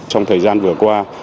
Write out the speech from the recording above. trong thời gian vừa qua